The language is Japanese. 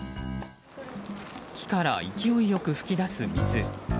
木から勢いよく噴き出す水。